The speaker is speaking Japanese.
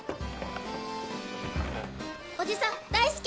おじさん大好き！